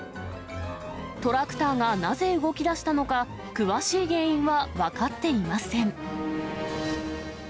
トラクターがなぜ動きだしたのか、詳しい原因は分かっていません。